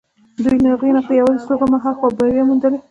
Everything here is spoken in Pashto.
دوی له هغې نقطې يوازې څو ګامه هاخوا برياوې موندلې.